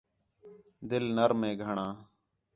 دِل نرم ہے گھݨاں